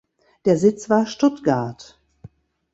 Der Sitz war Stuttgart.